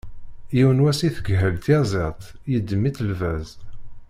Yiwen wass i tgeḥḥel tyaẓiḍt, yeddem-itt lbaz.